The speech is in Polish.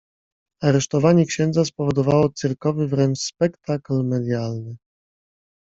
Aresztowanie księdza spowodowało cyrkowy wręcz spektakl medialny.